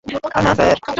আরে, না স্যার।